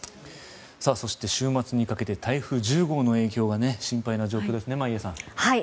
そして、週末にかけて台風１０号の影響が心配な状況ですね、眞家さん。